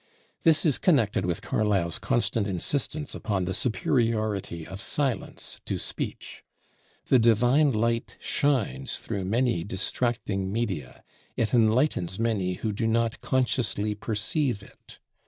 This is connected with Carlyle's constant insistence upon the superiority of silence to speech. The divine light shines through many distracting media; it enlightens many who do not consciously perceive it.